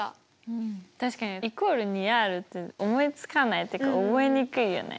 うん確かにイコール２Ｒって思いつかないってか覚えにくいよね。